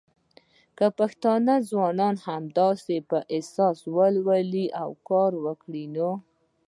که پښتانه ځوانان همداسې په احساس او ولولو کار وکړی نو